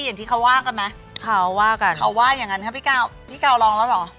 อย่างที่เขาว่ากันไหมเขาว่ากันเขาว่าอย่างนั้นครับพี่กาวลองแล้วเหรอ